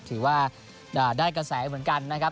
ถือว่าได้กระแสเหมือนกันนะครับ